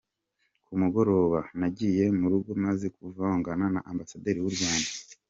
Ku mugoroba, nagiye mu rugo maze kuvugana na Ambasaderi w’u Rwanda.”